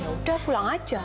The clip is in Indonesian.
yaudah pulang aja